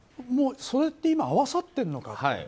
それって今合わさってるのか。